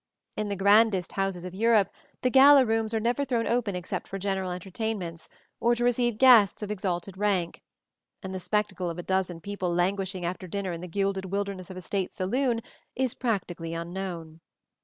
In the grandest houses of Europe the gala rooms are never thrown open except for general entertainments, or to receive guests of exalted rank, and the spectacle of a dozen people languishing after dinner in the gilded wilderness of a state saloon is practically unknown.